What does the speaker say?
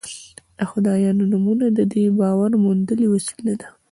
د خدایانو نومونه د دې باور موندنې وسیله ده.